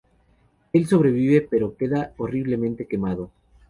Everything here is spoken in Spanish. El sobrevive, pero queda horriblemente quemado.